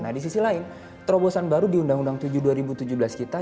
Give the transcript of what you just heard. nah di sisi lain terobosan baru di undang undang tujuh dua ribu tujuh belas kita